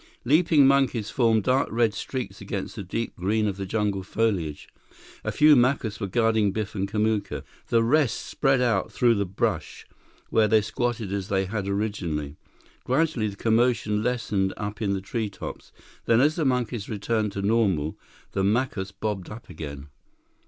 Leaping monkeys formed dark red streaks against the deep green of the jungle foliage. A few Macus were guarding Biff and Kamuka. The rest spread out through the brush, where they squatted as they had originally. Gradually, the commotion lessened up in the treetops. Then, as the monkeys returned to normal, the Macus bobbed up again.